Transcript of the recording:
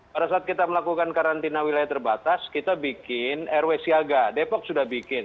pada saat kita melakukan karantina wilayah terbatas kita bikin rw siaga depok sudah bikin